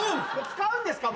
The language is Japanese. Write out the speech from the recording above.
使うんですか？